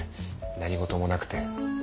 何事もなくて。